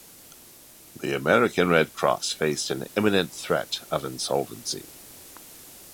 The American Red Cross faced an imminent threat of insolvency.